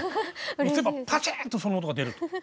押せばパチン！とその音が出ると。